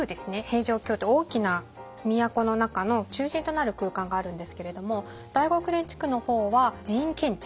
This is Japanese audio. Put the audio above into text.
平城宮って大きな都の中の中心となる空間があるんですけれども大極殿地区の方は寺院建築。